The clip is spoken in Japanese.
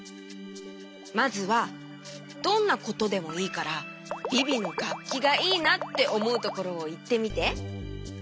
まずはどんなことでもいいからビビのがっきがいいなっておもうところをいってみて。